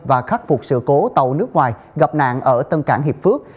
và khắc phục sự cố tàu nước ngoài gặp nạn ở tân cảng hiệp phước